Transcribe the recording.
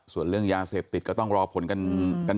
ส่วนเรื่องยาเสพติดก็ต้องรอผลกัน